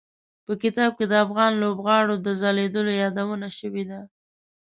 په کتاب کې د افغان لوبغاړو د ځلېدو یادونه شوي ده.